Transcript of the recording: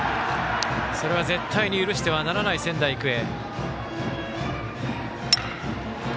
それは絶対に許してはならない仙台育英。